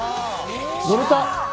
乗れた！